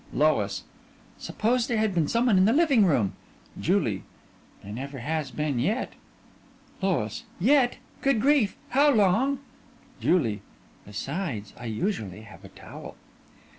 LOIS: Suppose there had been some one in the living room. JULIE: There never has been yet. LOIS: Yet! Good grief! How long JULIE: Besides, I usually have a towel.